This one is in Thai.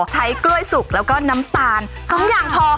ใช้กล้วยสุกแล้วก็น้ำตาล๒อย่างพอ